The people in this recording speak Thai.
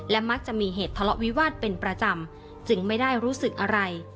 มักจะมีเหตุทะเลาะวิวาสเป็นประจำจึงไม่ได้รู้สึกอะไร